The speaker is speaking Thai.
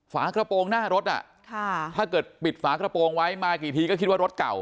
ฝากระโปรงหน้ารถถ้าเกิดปิดฝากระโปรงไว้มากี่ทีก็คิดว่ารถเก่า